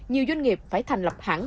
nhiều doanh nghiệp phải thành lập hãng